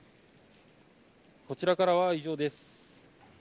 こちらからは以上です。